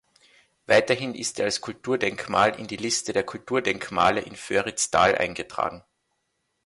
Weiterhin ist er als Kulturdenkmal in die Liste der Kulturdenkmale in Föritztal eingetragen.